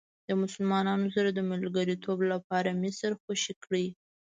د مسلمانانو سره د ملګرتوب لپاره مصر خوشې کړئ.